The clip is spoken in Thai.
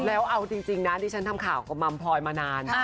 แล้วเอาจริงนะดิฉันทำข่าวกับมัมพลอยมานาน